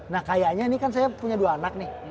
nah kayaknya ini kan saya punya dua anak nih